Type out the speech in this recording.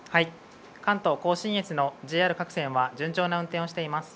関東甲信越のＪＲ各線は、順調な運転をしています。